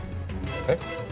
えっ？